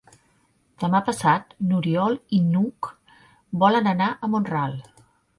Demà passat n'Oriol i n'Hug volen anar a Mont-ral.